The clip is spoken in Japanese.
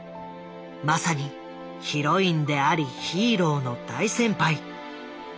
まさにヒロインでありヒーローの大先輩。